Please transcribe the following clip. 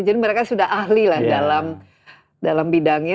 mereka sudah ahli lah dalam bidangnya